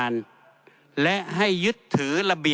นะครับ